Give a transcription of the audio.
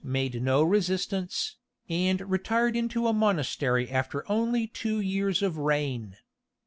made no resistance, and retired into a monastery after only two years of reign.